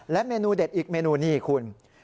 เมนูเด็ดอีกเมนูนี่คุณ